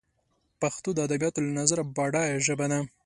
پښتو دادبیاتو له نظره بډایه ژبه ده